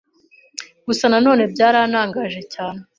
Gusa na none byarantangaje cyane